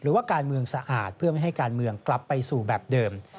หรือว่าการเมืองสะอาดเพื่อไม่ให้การเมืองกลับไปสู่แบบเดิม